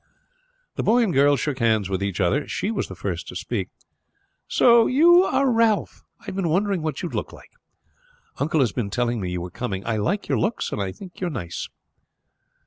The boy and girl shook hands with each other. She was the first to speak. "So you are Ralph. I have been wondering what you would be like. Uncle has been telling me you were coming. I like your looks, and I think you are nice."